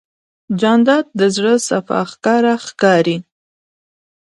جانداد د زړه صفا ښکاره ښکاري.